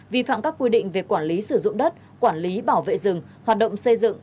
vi phạm các quy định về quản lý sử dụng đất quản lý bảo vệ rừng hoạt động xây dựng